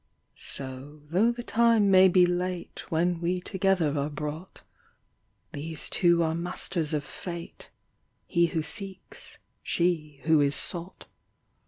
So, though the time may be late When we together are brought. These two are masters of Fate — He who seeks, she who is sought.